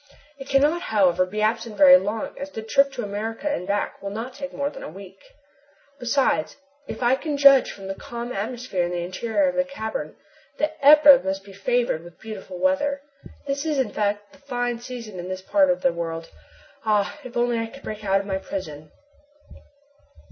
It cannot, however, be absent very long, as the trip to America and back will not take more than a week. Besides, if I can judge from the calm atmosphere in the interior of the cavern, the Ebba must be favored with beautiful weather. This is, in fact, the fine season in this part of the world. Ah! if only I could break out of my prison!